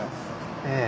ええ。